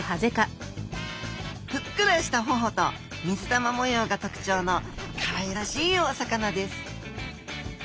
ふっくらしたほほと水玉模様が特徴のかわいらしいお魚です。